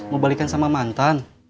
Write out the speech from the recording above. mau balikan sama mantan